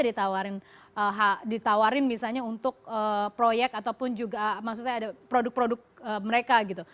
ditawarin misalnya untuk proyek ataupun juga maksud saya ada produk produk mereka gitu